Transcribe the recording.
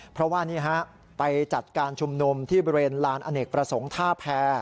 เพราะว่าไปจัดการชุมนุมที่เบรนลานอเนกประสงค์ทาแพร่